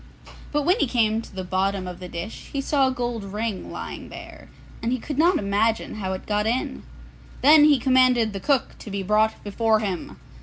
But when he came to the bottom of the dish he saw a gold ring lying there, and he could not imagine how it got in. Then he commanded the cook to be brought before him.